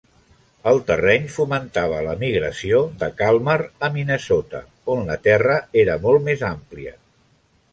El terreny fomentava l'emigració de Kalmar a Minnesota, on la terra era molt més àmplia.